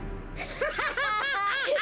ハハハハハ！